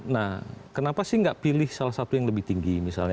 nah kenapa sih nggak pilih salah satu yang lebih tinggi misalnya